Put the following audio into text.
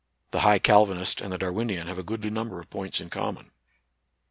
The high Cal vinist and the Darwinian have a goodly number of points in common.